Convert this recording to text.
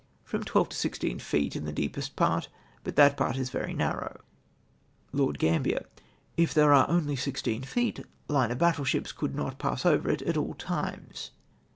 — "From twelve to sixteen feet in the deepest part, but that part is very narroiur " If there are only sixteen feet, line of battle ships could not pass over it at all times